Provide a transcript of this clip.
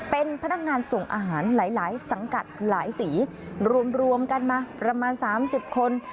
เป็นพนักงานส่งอาหารหลายสังกัดหลายสีรวมกันมาประมาณ๓๐คน